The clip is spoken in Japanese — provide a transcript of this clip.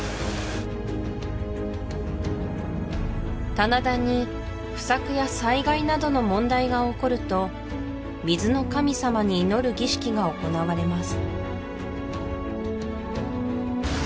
棚田に不作や災害などの問題が起こると水の神様に祈る儀式が行われます